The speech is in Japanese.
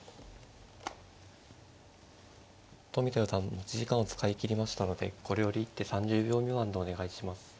冨田四段持ち時間を使いきりましたのでこれより一手３０秒未満でお願いします。